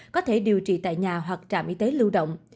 có thể điều trị tại nhà hoặc trạm y tế lưu động